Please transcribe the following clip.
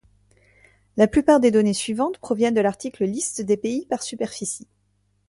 La plupart des données suivantes proviennent de l'article Liste des pays par superficie.